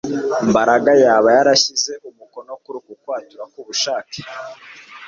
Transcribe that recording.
Mbaraga yaba yarashyize umukono kuri uku kwatura kubushake